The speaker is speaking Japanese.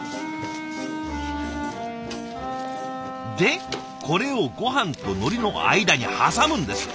でこれをごはんとのりの間に挟むんです。